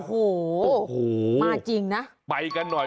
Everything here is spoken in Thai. โอ้โหมาจริงนะ